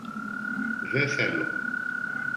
Δε θέλω